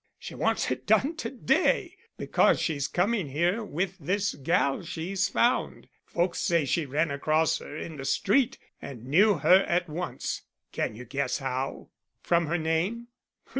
She wants it done to day, because she's coming here with this gal she's found. Folks say she ran across her in the street and knew her at once. Can you guess how?" "From her name?"